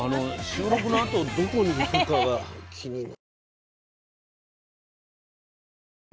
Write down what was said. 収録のあとどこに行くかが気になる。